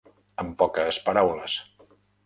En poques paraules